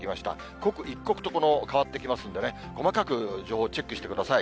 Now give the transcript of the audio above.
刻一刻と変わってきますんでね、細かく情報、チェックしてください。